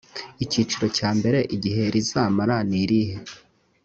icyiciro cya mbere igihe rizamara nirihe